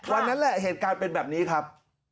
วันนั้นแหละเหตุการณ์เป็นแบบนี้ครับ